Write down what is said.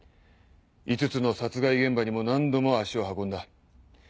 ５つの殺害現場にも何度も足を運んだ。